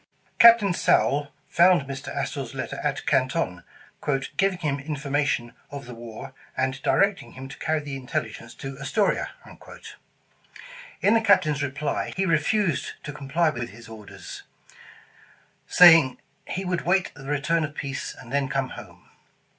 Captain Sowle found Mr. Astor 's letter at Canton, ''giving him information of the war, and directing him to carry the intelligence to Astoria." In the Captain's reply, he refused to comply with his orders, saying, ''he would wait the return of peace, and then come home."